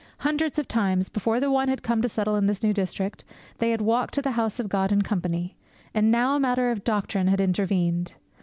Hundreds of times, before the one had come to settle in this new district, they had walked to the house of God in company. And now a matter of doctrine had intervened.